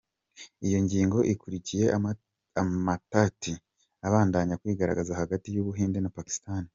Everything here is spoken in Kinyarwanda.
Iyo ngingo ikurikiye amatati abandanya kwigaragaza hagati y’Ubuhinde na Pakistan.